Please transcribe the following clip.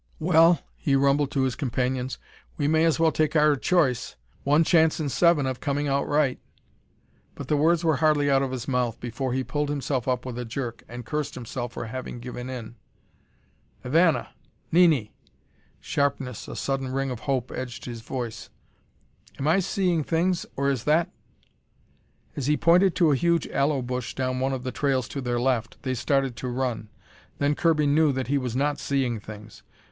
"Well," he rumbled to his companions, "we may as well take our choice. One chance in seven of coming out right!" But the words were hardly out of his mouth before he pulled himself up with a jerk, and cursed himself for having given in. "Ivana! Nini!" Sharpness, a sudden ring of hope edged his voice. "Am I seeing things, or is that "As he pointed to a huge aloe bush down one of the trails to their left, they started to run. Then Kirby knew that he was not seeing things.